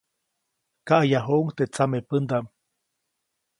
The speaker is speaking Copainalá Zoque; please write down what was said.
Kaʼyajuʼuŋ teʼ tsamepändaʼm.